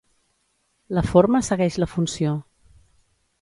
La forma segueix la funció.